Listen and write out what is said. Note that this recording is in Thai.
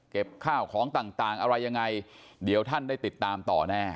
ข้าวของต่างอะไรยังไงเดี๋ยวท่านได้ติดตามต่อแน่